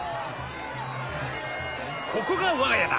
ここが我が家だ